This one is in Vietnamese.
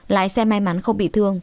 lái xe may mắn không bị thương